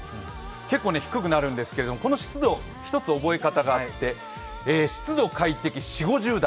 結構低くなるんですけれども、この湿度、一つ覚え方があって湿度快適４０５０％台。